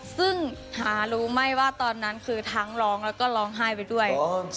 ซึ่งหารู้ไหมว่าตอนนั้นคือทั้งร้องแล้วก็ร้องไห้ไปด้วย